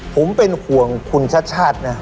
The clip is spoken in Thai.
ผมเป็นห่วงคุณชาติชาตินะ